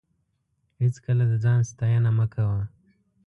هېڅکله د ځان ستاینه مه کوه.